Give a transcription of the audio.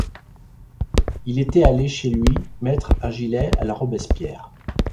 Il était allé chez lui mettre un gilet à la Robespierre.